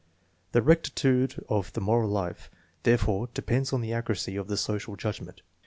The rectitude of the moral life, therefore, depends on the accuracy of the social judgment.